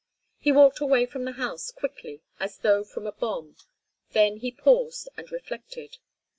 He walked away from the house quickly as though from a bomb, then he paused and reflected.